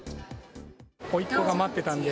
おいっ子が待ってたんで。